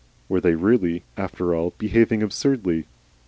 Were they really, after all, behaving absurdly?